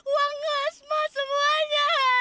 uang asma semuanya